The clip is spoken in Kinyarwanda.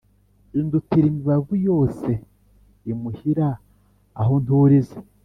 indutira imibavu yose imuhira aho nturiza